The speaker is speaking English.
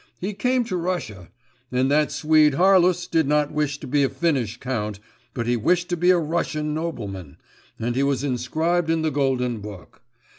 he came to Russia, and that Swede Harlus did not wish to be a Finnish count but he wished to be a Russian nobleman, and he was inscribed in the golden book.